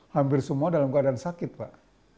hampir semua dalam keadaan sakit pak